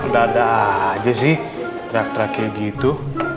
dada aja sih terak teraknya gitu